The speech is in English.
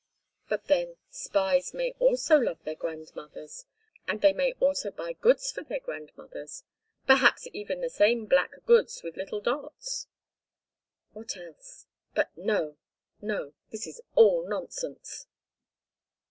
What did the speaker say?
But, then, spies may also love their grandmothers, and they may also buy goods for their grandmothers—perhaps even the same black goods with little dots. What else? But, no, no. That is all nonsense!